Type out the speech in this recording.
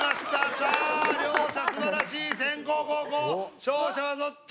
さあ両者すばらしい先攻後攻勝者はどっち？